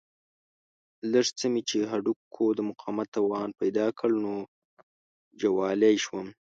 لږ څه مې چې هډوکو د مقاومت توان پیدا کړ نو جوالي شوم.